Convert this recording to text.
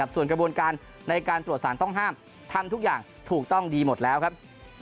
ส่วนกระบวนการในการตรวจสารต้องห้ามทำทุกอย่างถูกต้องดีหมดแล้วครับ